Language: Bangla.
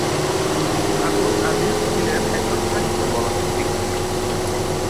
আবদুল আজীজ ছিলেন একজন সাহিত্য মনস্ক ব্যক্তি।